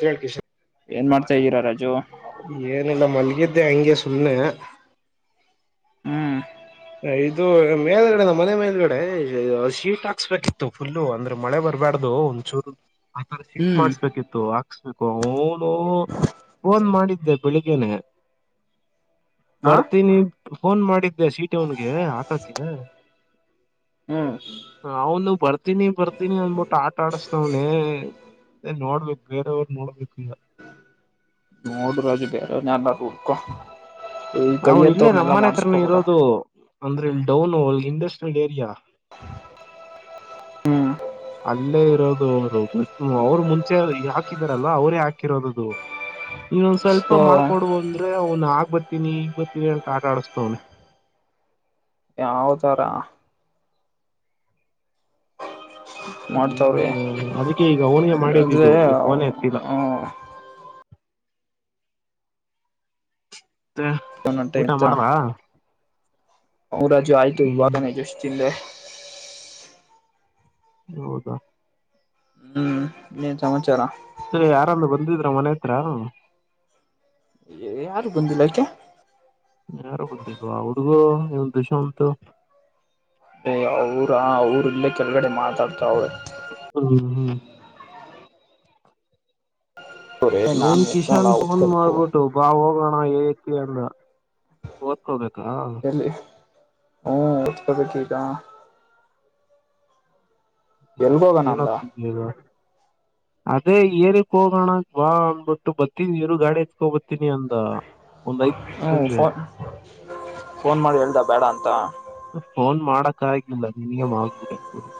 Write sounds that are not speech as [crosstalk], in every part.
ಕೇಳಿ ಕಿಶೋ ಏನ್ ಮಾಡ್ತಾ ಇದ್ದೀರಾ ರಾಜು ಇದ್ದೆ ಅಂಗೆ ಸುಮ್ಮನೇ ಹ್ಮ್ ಇದು ಮೇಲ್ಗಡೆ ನಮ್ಮ ಮನೆ ಮೇಲ್ಗಡೆ ಶೀಟ್ ಹಾಕ್ಸ್ಬೇಕಿತ್ತು ಫುಲ್ ಅಂದ್ರೆ ಮಳೆ ಬರ್ಬಾರಡ್ದು ಒಂಚೂರು ಆ ತರ ಶೀ ಹ್ಮ್ ಮಾಡ್ಬೇಕಿತ್ತು ಹಾಕ್ಸ್ಬೇಕು ಅವನು ಫೋನ್ ಮಾಡಿದ್ದೆ ಬೆಳಿಗ್ಗೆನೆ ಹಾ ಬರ್ತೀನಿ ಫೋನ್ ಮಾಡಿದ್ದೆ ಸೀಟ ಅವನ್ಗೆ ಹಾಕಕ್ಕೇ ಹ್ಮ್ ಅವ್ನು ಬರ್ತೀನಿ ಬರ್ತೀನಿ ಅಂದಬಿಟ್ಟು ಆಟ ಆಡಸ್ತವ್ನ ಅ ನೋಡ್ಬೇಕು ಬೇರೆಯವ್ರು ನೋಡ್ಬೇಕುಲ್ಲ ಮೂರು ರೋಜೆ ಬೇರೆನ ಎಲ್ಲೂ ಉಡ್ಕೊ ಅವ ಇಲ್ಲೇ ನಮ್ಮ ಮನೆತ್ರರನ ಇರೋದು ಅಂದ್ರೆ ಇಲ್ಲಿ ಡೌನ್ ಒಲ್ ಇಂಡಸ್ಟ್ರಿಯಲ್ ಏರಿಯಾ ಹ್ಮ್ ಅಲ್ಲೇ ಇರೋದು ಅವರು ಅವ್ರು ಮುಂಚೆ ಹಾಕಿದಾರಲ್ಲ ಅವರೇ ಹಾಕಿರೋದುದು ಆ ಇವೊಂದ ಸ್ವಲ್ಪ ಮಾಡಕೊಡು ಅಂದ್ರೆ ಅವ್ನು ಆಗ್ ಬರ್ತೀನಿ ಈಗ್ ಬರ್ತೀನಿ ಅಂತ ಆಟ ಆಡಸ್ತವ್ನೇ ಯಾವ ತರ ಮಾಡ್ತಾವ್ರಿ ಹ್ಮ್ ಅದಕ್ಕೆ ಈಗ ಅವನಿಗೆ ಅಂದ್ರೆ ಮಾಡಿದ್ದಿದ್ದು ಈ ಫೋನೇ ಎತ್ತಲಿಲ್ಲ ಮತ್ತೆ ಊಟ ಮಾಡಿದ ಮ್ಮ್ ರಾಜು ಆಯ್ತು ಹ್ಮ್ ಇವಾಗಣೆ ಜಸ್ಟ್ ತಿಂದೆ ಹೌದಾ ಹ್ಮ್ ಇನ್ನೇನು ಸಮಾಚಾರ ಮತ್ತೇ ಯಾರನ್ನ ಬಂದಿದ್ರ ಮನೆ ಹತ್ರ ಯಾರೂ ಬಂದಿಲ್ಲ ಯಾಕೆ ಯಾರು ಬಂದಿಲ್ವಾ ಹುಡುಗುರೂ ಇವನು ದಶಾಂತು ಅವರ ಅವರು ಇಲ್ಲೇ ಕೆಳಗಡೆ ಮಾತಾಡ್ತ ಅವ್ರೆ ಹ್ಮ ಹ್ಮ್ ನಾನ್ ಇವನು ಕಷನ್ ಫೋನ್ ಓದ್ಕೋಬೇಕು ಮಾಡ್ಬಿಟ್ಟು ಬಾ ಹೋಗೋಣ ಹಏಕ್ಕೆ ಅಂದ ಓದ್ಕೋಬೇಕಾ ಹ್ಮ ಓದ್ಕೋಬೇಕು ಈಗ ಎಲ್ಗೋಗಣ ಏನ್ ಅಂದ ಓದ್ತ ಇದೀಯ ಈಗ ಅದೇ ಏರಿಕ್ ಹೋಗೋಣ ಬಾ ಅಂದಬಟ್ಟು ಬತಿದ್ ಇವ್ರು ಗಾಡಿ ಎತ್ಕೋಬ ಹತೀನಿ ಅಂದ ಒಂದ್ ಐದ್ ಹ್ಞೂ ನಿಮಿಷದಿಂದ ಫೋನ್ ಫೋನ್ ಮಾಡಿ ಹೇಳ ಬೇಡ ಅಂತ ಫೋನ್ ಮಾಡಕ ಆಗಲ್ಲ ನಿನಗೆ ಆಗಬೂರಿ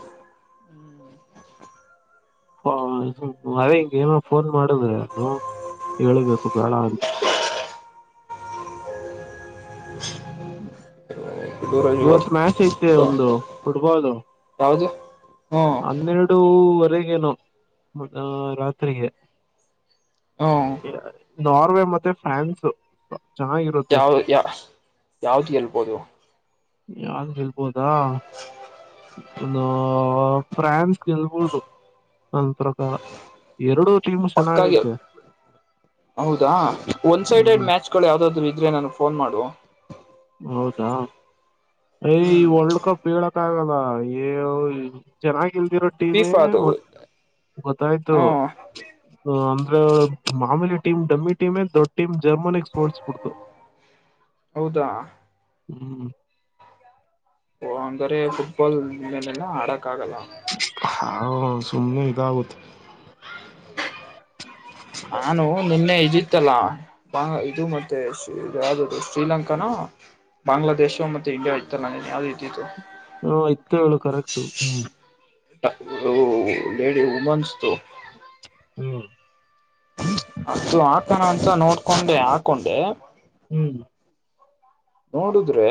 ಹ ಅದೇ ಹಿಂಗ ಏನೋ ಫೋನ್ ಮಾಡುದ್ರೆ ಅನು ಹೇಳಬೇಕು ಬೇಡ ಅಂತ ದೂರ ಇವತ್ ಮ್ಯಾಚ್ ಐತೆ ಒಂದು ಫುಟ್ಬಾಲ್ ಯಾವುದು ಹ್ಞೂ ಹನ್ನೆರಡವರೆಗೇನು ರಾತ್ರಿಗೆ ಹ ನಾರ್ವೆ ಮತ್ತೆ ಫ್ರಾನ್ಸ್ ಚೆನ್ನಾಗಿ ಯಾವ ಯ ಯಾವ್ದು ಗೆಲ್ಬೋದು ಯಾದ ಗೆಲಬೋದಾ. ಒಂದು ಫ್ರಾನ್ಸ್ ಗೆಲ್ಬೋದು ನನ್ನ ಪ್ರಕಾರ ಎರಡು ಪಕ್ಕ ಗೆ ಹೌದಾ ಒನ್ ಸೈಡೆಡ್ ಹ್ಮ್ ಮ್ಯಾಚ್ ಳ ಯಾವ್ದಾದ್ರು ಇದ್ರ ನನಗ ಫೋನ್ ಮಾಡು. ಹೌದಾ. ಯ ಈ ಹ್ಮ್ ವರ್ಲ್ಡ್ ಕಪ್ ಹೇಳೋಕ ಆಗಲ್ಲ ಏ ಚೆನ್ನಾಗಿಲ್ದಿರೋ ಟೀಮೆ ಫೀಫಾ ಅದು ಗೊತ್ತಾಯ್ತು. ಹಾ ಅಂದ್ರ ಮಾಮೂಲಿ ಟೀಮ್ ಡಮ್ಮಿ ಟೀಮೇ ದೊಡ್ಡ ಟೀಮ್ ಜರ್ಮನಿಗ್ ಸೋಲಸಿ ಬಿಟತು. ಹೌದಾ. ಹ್ಮ್. ಓ ಅಂಗಾರೆ ಫುಟ್ಬಾಲ್ ಮೇಲೆಲ್ಲ ಆಡಕ್ ಆಗಲ್ಲ. ಹಾ ಸುಮನೆ ಇದಾಗತ್ತೆ. ನಾನು ನಿನ್ನೆ ಇದಿತ್ತಲ್ಲ. ಬಾಂಗ ಇದು ಮತ್ತೆ ಯಾವದದು ಶ್ರೀಲಂಕಾನ ಬಾಂಗ್ಲಾದೇಶ [unintelligible] ಮತ್ತ ಇಂಡಿಯಾ ಇತ್ತನ ಯಾವದ ಇದ್ದಿದು. ಹಾ ಇತ್ತು ಹೇಳು ಕರೆಕ್ಟ ಹ್ಮ. [unintelligible] ಲೇಡಿ ಉಮೆನ್ಸ್ ಹ್ಮ್. ಹ ಅದು ಹಾಕಣ ಅಂತ ನೋಡ್ಕೊಂಡೆ ಹಾಕೊಂಡೆ. ಹ್ಮ್. ನೋಡುದ್ರೆ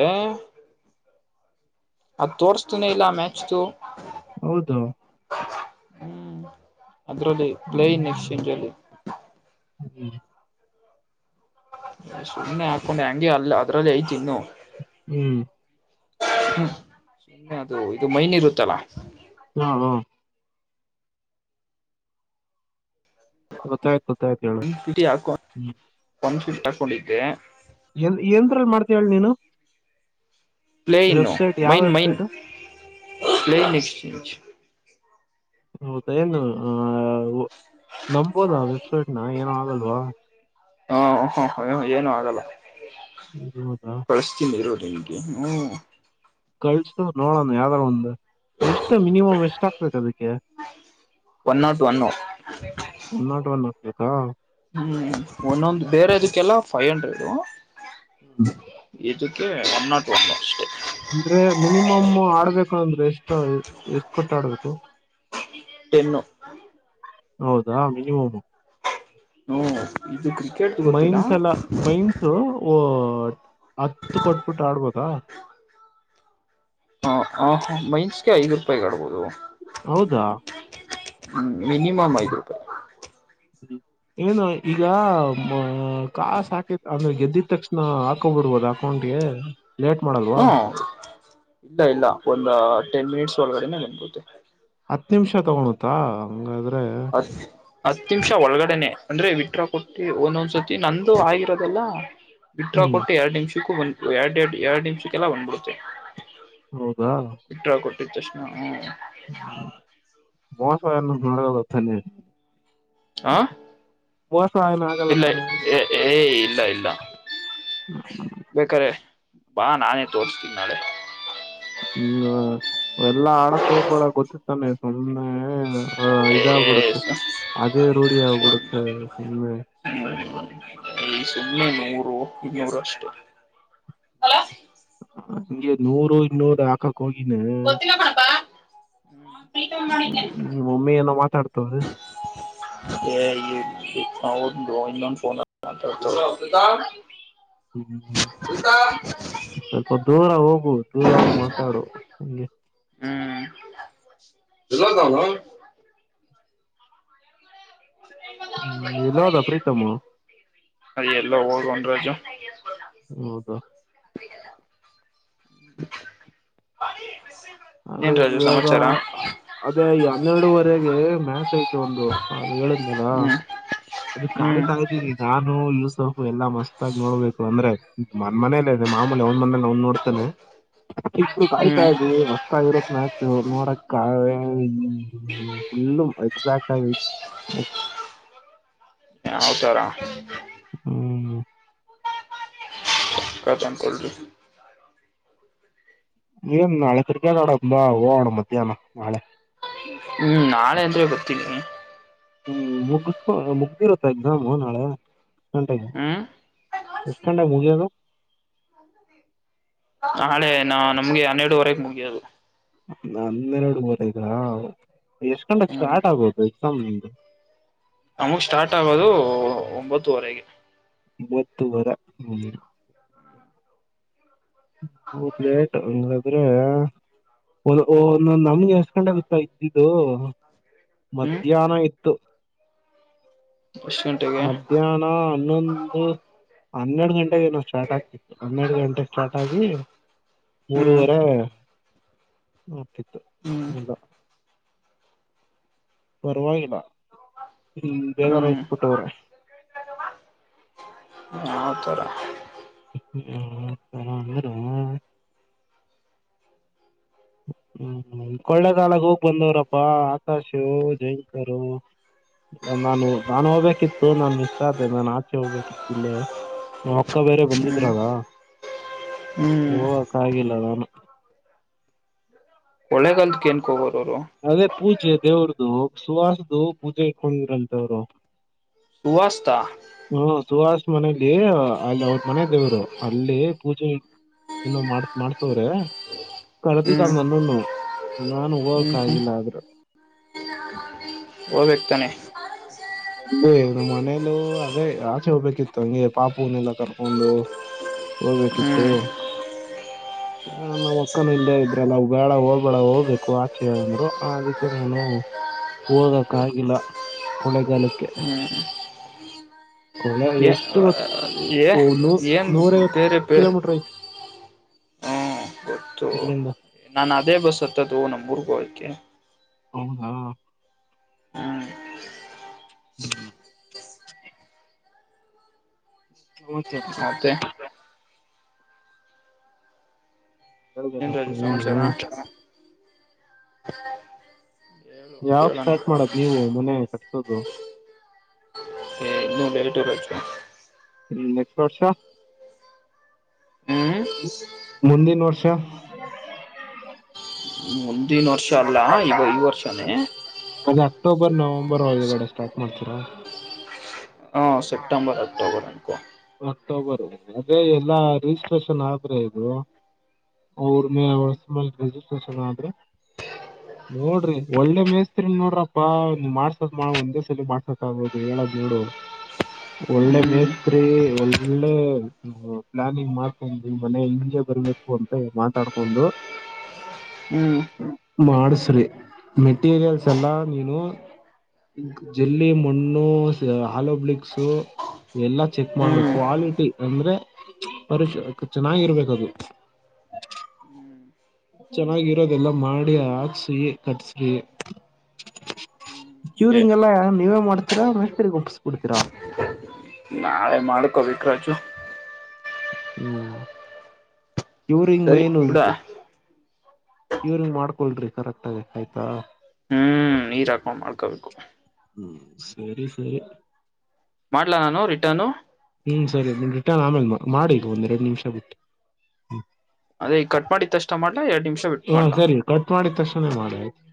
ಅದ್ ತೋರ್ಸ್ತನ ಇಲ್ಲ ಆ ಮ್ಯಾಚ್ದು. ಹೌದು. ಹ್ಮ್ ಅದ್ರಲ್ಲಿ ಪ್ಲೇ ಇನ್ ಎಕ್ಸ್ಚೇಂಜ್ ಅಲ್ಲಿ. ಹ್ಮ್. ಸುಮ್ಮ್ನೆ ಹಾಕೊಂಡೆ ಹೆಂಗೆ ಅಲ್ಲ ಅದ್ರಲ್ಲಿ ಐತಿ ಇನ್ನು. ಹ್ಮ್. ಹ್ಮ್ [unintelligible] ಇದು ಮೈನ್ ಇರುತ್ತಲ್ಲಾ. [unintelligible] ಗೊತ್ತಾಗುತ್ತ ಗೊತ್ತಾಗುತ್ತ ಹೇಳು. ಒನ್ ಫಿಫ್ಟಿ ಹಾಕೊ ಒನ್ ಫಿಫ್ಟಿ ಹಾಕೊಂಡಿದ್ದೆ ಎ ಎಂತ್ರಲ್ಲಿ ಮಾಡ್ತೀ ಹೇಳ ನೀನು. ಪ್ಲೇ ಇನೋ ವೆಬ್ಸೈಟ್ ಯಾವ main main website plane exchange. ಹೌದ ಏನು ಆ ನಂಬಬೋದಾ ಆ ವೆಬ್ಸೈಟ್ ನ ಏನ ಆಗಲ್ವಾ. ಹ ಹ ಹ ಏನು ಆಗಲ್ಲ. ಹೌದಾ. ಕಳಸ್ತೀನಿ ಇರು ನಿನಗೆ ಹ್ಮ. ಕಳ್ಸ ನೋಡೋಣ ಯಾವ್ದಾರ ಒಂದು ಎಷ್ಟು ಮಿನಿಮಮ್ ಎಷ್ಟ ಹಾಕ್ಬೇಕ ಅದಕ್ಕೆ. One not one. One not one ಹಾಕ್ಬೇಕಾ. ಹ್ಮ್ ಒಂದೊಂದ ಬೇರೆ ಅದಕ್ಕೆಲ್ಲ ಫೈವ್ ಹಂಡ್ರೆಡ. ಹ್ಮ. ಇದಕ್ಕೆ ಒನ್ ನಾಟ್ ಒನ್ ಅಷ್ಟೇ. ಅಂದ್ರೆ ಮಿನಿಮ ಆಡ್ಬೇಕು ಅಂದ್ರೆ ಎಷ್ಟು ಎಷ್ಟ ಕೊಟ್ಟ ಆಡ್ಬೇಕು. ಟೆನ್ನು. ಹೌದಾ ಮಿನಿಮಮು. ಹ ಇದು ಕ್ರಿಕೆಟ್ ಗೊತ್ತಿಲ್ಲ. ಓ ಹತ್ತು ಕೊಟ್ಬಿಟ್ಟು ಆಡ್ಬೋದಾ. ಹ ಹ ಮೈನ್ಸ್ಗೆ ಐದು್ ರೂಪಾಯಿ ಆಡ್ಬೋದು. ಹೌದಾ. ಹ್ಮ್ ಮಿನಿಮ್ ಐದು ರೂಪಾಯಿ. ಹ್ಮ್. ಏನು ಈಗ ಅ ಕಾಸ್ ಹಾಕೇತ್ ಅಂದ್ರೆ ಗೆದ್ದಿದ ತಕ್ಷಣ ಹಾಕೊಂಡ್ಬರ್ಬೋದಾ. ತೋೊಂಡಿಯ. ಲೇಟ್ ಮಾಡೋದು. ಹ್ಮ ಇಲ್ಲ ಇಲ್ಲ ಒಂದ ಟೆನ್ ಮಿನಿಟ್ಸ್ ಒಳಗಡೆನೆ ನನ್ಬೆ. ಹತ್ತು ನಿಮಿಷ ತಗಳುತ್ತಾ ಹಂಗಾದ್ರೆ. ಹ. ಹತ್ ನಿಮಿಷ ಒಳಗಡೆನೆ ಅಂದ್ರೆ ವಿಟ್ರ ಕೊಟ್ಟು ಒಂದೊಂದ್ಸತಿ ನಂದು ಆಗಿರೋದೆಲ್ಲ. ಬಿಡ್ರಾ ಹ್ಮ್ ಕೊಟ್ಟು ಎರಡ್ ನಿಮಿಷಕ್ಕೂ ಒಂದ್ ಎರಡ್ಡು ಎರಡ್ ನಿಮಿಷಕ್ಕೆಲ್ಲ ಬಂದ್ಬಿಡುತ್ತೆ. ಹೌದಾ. ಇಟ್ರ ಕೊಟ್ಟಿದ ತಕ್ಷಣ ಹ್ಮ್. ್ಮ ಮಸ ನಥನ. ಹಾ ಮೋಸ ಏನ ಆಗಲ್ಲ ಇಲ್ಲ ತಾನೆ ಏ ಇಲ್ಲ ಇಲ್ಲ. ಹ್ಮ. ಬೇಕಾರೆ ಬಾ ನಾನೇ ತೋರ್ಸ್ತೀನಿ ನಾಳೆ. ಹ್ಮ್ ಎಲ್ಲಾ ಆಡಕ್ ಹೋಗ್ಬಳ ಗೊತ್ತಿತ್ತಾನೆ ಸುಮ್ಮ್ನೆ. ಹಾ ಇದಾಗ್ಬಿಡುತ್ತೆ ಅದೇ ರೂಢಿ ಆಗ್ಬಿಡುತ್ತೆ ಸುಮ್ಮೆ. ಹ್ಮ ಈ ಸುಮ್ಮನೆ ನೂರು ಇನ್ನೂರು ಅಷ್ಟು. ಹಂಗೆ ನೂರು ಇನ್ನೂರು ಹಾಕ. ಕೋಗಿನಮ್ಮ ಗೊತ್ತಿಲ್ಲ ಕಣಪ್ಪಾ ಪ್ರೀತಮ್ ಮಾಡಿದ್ದೇನೆ ಒಮ್ಮೆ ಲ್ಲ ಮಾತಾಡ್ತವ್ರ. [inaudible] [unintelligible] ಹ್ಮ್್ಮ ಸ್ವಲ್ಪ ದೂರ ಹೋಗು ದೂರ ಹೋಗ ಮಾತಾಡು ಹಂಗೆ. ಹ್ಮ್ಲ್ಲ. ಹ್ಮ್ ಎಲ್ಲ ಹದ ಪ್ರೀತಮ. ಅದ ಎಲ್ಲ ಹೋಗ ಒೊಂಡ ರಜು. ಹೌದಾ. ಅದೇ ಏನ್ ಈ ರಾಜು ಯೋಗ. ಸಮಾಚಾರ ಅದೇ ಈ ಹನ್ನೆರಡುವರೆಗೆ ಮ್ಯಾಚ್ ಆಯ್ತು ಒಂದು ಅ್ ಹೇಳದ್ ಮೇಲ. ಹ್ಮ್ ಅದ ಹ್ಮ್ ಕಾಯ್ತಾಯ್ದೀರಿ. ನಾನು ಯೂಸಫ್ ಎಲ್ಲಾ ಮಸ್ತ್ ಆಾಗಿ ನೋಡ್ಬೇಕು ಅಂದ್ರೆ ಮನ್ ಮನೇಲ್ಲೇ ಇದೆ ಮಾಮೂಲಿ ಅವ್ ಮನೇಲ್ಲ ಅವನ್ ನೋಡ್ತಾನೆ. ಇಬ್ರು ಕಾಯ್ತಾ ಹ್ಮ್ ಇದ್ದೀವಿ. ಇರತ್ ಮ್ಯಾಚ್ ನೋಡ ಫುಲ್ಲು ಎಕ್ಸಾಕ್ಟ್ ಆಗ. ಹ [inaudible] ಯಾವತಾರಾ. ಹ್ಮ್. ಕಟನ್ಕಲಿ [inaudible] ಏನ್ ನಾಳೆ ಕರ್ಕ ಅಡಂಬಾ ಹೋಗಣ ಮಧ್ಯಾಹ್ನ ನಾಳೆ. ಹ್ಮ್ ನಾಳೆ ಅಂದ್ರೆ ಗರ್ತೀಿನಿ. ಹ್ಮ್ ಮುಗಸ್ಕೊ ಮುಗ್ದಿರತ್ತ ಎಕ್ಸಾಮು ನಾಳೆ. ಎಷ್ಟ ಗಂಟೆಗೆ ಹ್ಮ್ ಎಷ್ಟ ಗಂಟೆಗೆ ಮುಗಿಯೋದು. ಒಂದು ದೆ. ನಾಳೆ ನಾನಮ್ನಿ ಹನ್ನೆರಡುವರೆಗೆ ಮುಗಿಯೋದು. ಹನ್ನೆರಡು ಮೂರ್ತಾ ಇದಾ ಎಷ್ಟ್ ಗಂಟೇಕ್ ಹ್ಮ್ ಸ್ಟಾರ್ಟ್ ಆಗೋದು ಎಕ್ಸಾಮ್ ನಿಮ್ಮದು. ನಮಗ ಸ್ಟಾರ್ಟ್ ಆಗೋದು ಒಂಬತ್ತುವರೆಗೆ. ಒಂಬತ್ತುವರೆ ಹು. ಹೌದ ಲೇಟ್ ಹಂಗಾದ್ರೆ. ಒಲ ಒಲ್ಲಲ್ಲ ನಮ್ಗೆ ಎಸ್ಕೊಂಡಂಡವಿಲಾ ಇದ್ದು. ಹ್ಮ್ ಮಧ್ಯಾಹ್ನ ಇತ್ತು. ಎಷ್ಟು ಗಂಟೆಗೆ ಮಧ್ಯಾಹ್ನ ಹನ್ನೊಂದು ಹನ್ನೆರಡು ಗಂಟೆಗೆ ಏನ. ಸ್ಟಾರ್ಟ್ ಆಗ್ತಿತ್ತು ಹನ್ನೆರಡು ಗಂಟೆಗೆ ಸ್ಟಾರ್ಟ್ ಆಗಿ ಹ್ಮ್ ಮೂರವರೆ. ಹೊಕ್ಕಿತ್ತು ಹ್ಮ್ ಇಲ್ಲಾ ಪರವಾಗಿಲ್ಲಾ. ಹು ಬೇಗಾರ ಇಕ್ಕಿಬಿಟ್ಟವರೇ. ಕೃಷ್ಣ್ ಜಮಾ ಆ ತರಾ. ಎ ತನಾ ಅಂದರೋ. ಹು ಕಳ್ಳೆಗಾಲಕ್ಕೆ ಹೋಗ ಬಂದವ್ರಪ್ಪಾ ಆಕಾಶ ಜಯಂಕರು. ನಾನು ನಾನ್ ಹೋಗ್ಬೇಕಿತ್ತು ನಾನ್ ಮಿಸ್ ಆದೆ ನಾನ್ ಆಚೆ ಹೋಗ್ಬೇಕಿತ್ತಿಲ್ಲೇ. ನಮ್ಮ ಅಕ್ಕಾ ಬೇರೆ ಹ್ಮ್ ಬಂದಿದ್ರಲ್ಲಾ ಹ್ಮ್ ಹೋಗಕ ಆಗಿಲ್ಲ ನಾನು. ಒಳ್ಳೆಗಲ್ದಕ್ಕೆ ಏನ್ಕ ಹೋಗಗುರು ಅವರು. ಅದೇ ಪೂಜೆ ದೇವರದು ಸುವಾರದ್ದು ಪೂಜೆ ಇಕೊಂಡ್ರಂತವರು. ಉವಷ್ಟ. ಹು ಸುಹಾಸ್ ಮನೇಲಿ ಅಲ್ಲಿ ಅವ್ರ ಮನೆ ದೇವರು ಅಲ್ಲಿ ಪೂಜೆ. ಇನ್ನು ಮಾಡ ಮಾಡತ್ತವರೇ. ಕರದಿದ್ದಾ ಹ್ಮ್ ನನ್ನ ನಾನು ಹೋಗಕಾಗಿಲ್ಲಾ ಆದ್ರ. ಹೋಗಬೇಕತಾನೆ. ಅರ್ಬೆ ನಮ್ಮ ಮನೇಲ್ಲೂ ಅದೇ ಆಚೆ ಹೋಗ್ಬೇಕಿತ್ತು ಹಂಗೆ ಪಾಪೂನೆಲ್ಲಾ ಕರ್ಕೊಂಡು. ಕೀ ಹೋಗ್ಬೇಕಿತ್ತು. ಹ ನಮ್ಮ ಅಕ್ಕಾನು ಇಲ್ಲೇ ಇದ್ರಲ್ಲ ಬೇಡಾ ಹೋಗ್ಬೇಡಾ ಹೋಗ್ಬೇಕು ಆಚೆ ಅಂದ್ರು ಅದಕ್ಕೆ ನಾನು. ಹೋಗಕ ಆಗಿಲ್ಲಾ ಹೊಳೆಗಾಲಕ್ಕೆ. ಎಷ್ಟು ಏನ್ ನೂ ಏನ್ ನೂರೈವತ್ ಬೇರೆ ಬೇ ಕಿಲೋಮೀಟರ್ ಐತಿ ಹತ್ತು ಇಲ್ಲಿಂದ ನಾನ ಅದೇ ಬಸ್ಸು ಹತ್ತದು ನಮ್ಮ ಊರ್ಗ ಹೋಗೋಕೆ. ಹೌದಾ ಹ್ಮ್ ಹು ಹೌ ಚಲಾ. ಮತ್ತೆ. ಏನ್ ಗದಗೆಪ್ಪ ರಾಜು ಹು ಚಲ್ಲಾ. ಹಾ ಯಾವಾಗ ಸ್ಟಾರ್ಟ್ ಮಾಡದ ನೀವು ಮನೆ ಕಟ್ಸೋದು. ಹೆ ಇನ್ನು ಲೇಟು ಮಚ್ಚಾ. ಹು ನೆಕ್ಸ್ಟ್ ವರ್ಷ ಹ್ಮ್ ಮುಂದಿನ ವರ್ಷ. ಇಲ್ಲಾ ಬಿಡ ಲಿಂಕ್ ಆಗಿ. ಮುಂದಿನ ವರ್ಷ ಅಲ್ಲಾ ಈ ವರ್ಷನೇ. ಅದೇ ಅಕ್ಟೋಬರ ನವೆಂಬರ ಒಳಗಡೆ ಸ್ಟಾರ್ಟ್ ಮಾಡ್ತೀರಾ. ಹಾ ಸೆಪ್ಟೆಂಬರ ಅಕ್ಟೋಬರ ಅನ್ನಕೋ. ಅಕ್ಟೋಬರ ಅದೆ ಎಲ್ಲಾ ರಿಜಿಸ್ಟ್ರೇಷನ ಆದ್ರೆ ಇದು. ಅವ್ರ ಮೇಲೆ [unintelligible] ಮೇಲ್ ರೆಜಿಸ್ಟ್ರೇಷನ್ ಆದ್ರೆ. [unintelligible] ನೋಡ್ರಿ ಒಳ್ಳೆ ಮೇಸ್ತ್ರಿ ನೋಡ್ರಪ್ಪಾ ಮಾಡ್ಸೋದ ಮಾಡ ಒಂದೇ ಸಲ ಮಾಡ್ಸಕ್ ಆಗದು ಹೇಳದ್ ನೋಡು. [inaudible] ಒಳ್ಳೆ ಹ್ಮ್ ಮೇಸ್ತ್ರಿ ಒಳ್ಳೆ. ಪ್ಲಾನಿಂಗ್ ಮಾಡ್ಕೊಂಡು ಮನೆ ಹಿಂಗೆ ಬರ್ಬೇಕು ಅಂತ ಮಾತಾಡ್ಕೊಂಡು. ಹ್ಮ್ ಮಾಡಸ್ರಿ ಮೆಟೀರಿಯಲ್ಸ್ ಎಲ್ಲಾ ನೀನು. ಜಲ್ಲಿ ಮಣ್ಣು ಹಲೋ ಬ್ಲಿಕ್ಸು ಎಲ್ಲಾ. ಚೆಕ್ ಮಾಡು ಹ್ಮ್ ಕ್ವಾಲಿಟಿ ಅಂದ್ರೆ ಪರಿಶ ಚೆನ್ನಾಗಿರ್ಬೇಕದು. ಹ್ಮ್ ಚೆನ್ನಾಗಿರೋದೆಲ್ಲ ಮಾಡಿ ಹಾಕ್ಸಿ ಕಟ್ಸ್ರಿ. ಪುರ್ನಿಂಗ್ ಎಲ್ಲ ನೀವೇ ಮಾಡ್ತೀರಾ ಮೆಸ್ರಿಗೆ ಒಪ್ಪಿಸಿ ಬಿಡ್ತೀರಾ. ನಾವೇ ಮಾಡ್ಕೊಬೇಕು ರಾಜು. ಹ್ಮ್ ಇವ್ರಂಗ ಸರಿ ಮೈನ್. ಬಿಡ ಪುರ್ನಿಂಗ್ ಮಾಡ್ಕೊಳ್ರಿ ಕರೆಕ್ಟ್ ಆಗಿ ಆಯ್ತಾ. ಹ್ಮ್ ನೀರ್ಾಕೊಂಡ್ ಮಾಡ್ಕೊಬೇಕು ಹ್ಮ್ ಸರಿ ಸರಿ ಮಾಡಲ ನಾನು ರಿಟರ್ನು. ಹ್ಮ್ ಸರಿ ನೀ ರಿಟರ್ನ್ ಆಮೇಲೆ ಮಾಡಿ ಒಂದೆರಡು ನಿಮಿಷ ಬಿಟ್ಟು. ಅದೇ ಈ ಕಟ್ ಮಾಡಿದತ್ತಷ್ಟ ಮಾಡ್ಲಾ ಎರಡ್ ನಿಮಿಷ ಬಿಟ್ಟು ಹಾ ಮಾಡ್ಲಾ. ಸರಿ ಕಟ್ ಮಾಡಿದ ತಕ್ಷನೇ ಮಾಡಿ ಆಯ್ತು.